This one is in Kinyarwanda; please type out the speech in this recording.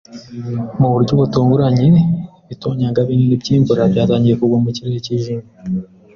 Mu buryo butunguranye, ibitonyanga binini by'imvura byatangiye kugwa mu kirere cyijimye.